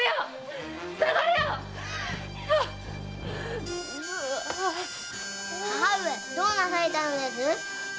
さがりゃ‼母上どうなされたのです？